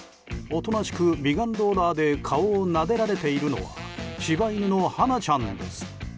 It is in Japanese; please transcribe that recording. おとなしく、美顔ローラーで顔をなでられているのは柴犬の華ちゃんです。